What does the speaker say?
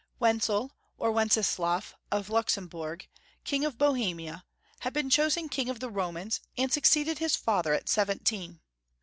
WENZEL or Wenceslaf of Luxemburg, King of Bohemia, had been chosen King of the Romans, and succeeded his father at seventeen.